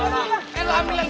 oh aku lihat